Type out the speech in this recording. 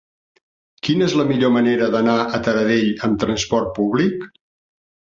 Quina és la millor manera d'anar a Taradell amb trasport públic?